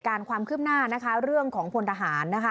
การความขึ้นหน้าเรื่องของคนทหาร